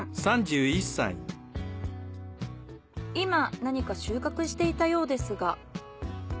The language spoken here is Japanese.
今何か収穫していたようですが。